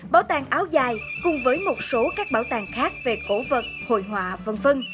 bảo tàng áo dài cùng với một số các bảo tàng khác về cổ vật hội họa v v